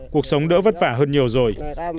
cuộc sống đỡ vất vả hơn nhiều rồi